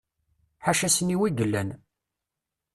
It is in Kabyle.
Ḥaca ssniwa i yellan.